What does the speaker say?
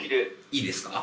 いいですか？